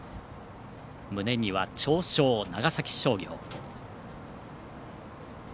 胸には長商、長崎商業。